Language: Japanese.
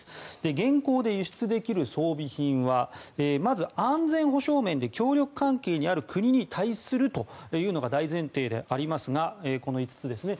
現行で輸出できる装備品はまず安全保障面で協力関係にある国に対するというのが大前提でありますがこの５つですね。